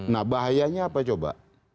nah bahayanya apa coba